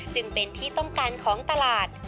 จึงเป็นที่ต้องการของตลาด